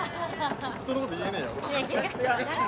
人のこと言えねぇよ